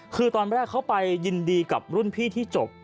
คือตอนแรกเขาไปยินดีกับรุ่นพี่ที่จบ